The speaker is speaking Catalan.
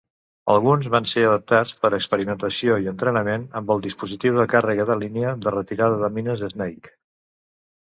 Alguns van ser adaptats per a experimentació i entrenament amb el dispositiu de càrrega de línia de retirada de mines "Snake".